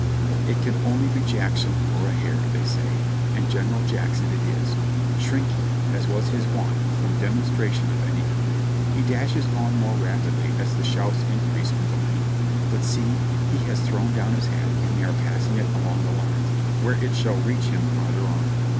'"It can only be Jackson or a hare," they say. and General Jack son it is, shrinking, as was his wont, from demonstration of any kind. He dashes on more rapidly as the shouts increase in vol ume ; but see ! he has thrown down his hat and they are passing it along the lines, where it will reach him farther on.